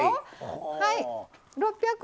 はい６００